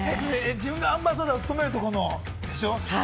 自分がアンバサダーを務めるところのでしょう？